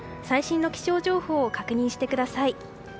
最新の気象情報を確認してください。